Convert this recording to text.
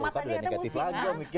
iya tomat aja negatif lagi